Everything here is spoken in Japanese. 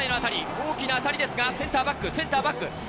大きな当たりですがセンターバックセンターバック。